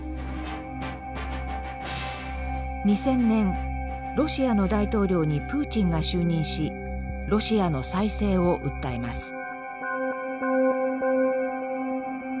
２０００年ロシアの大統領にプーチンが就任しロシアの再生を訴えます。